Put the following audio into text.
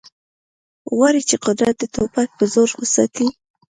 غواړي چې قدرت د ټوپک په زور وساتي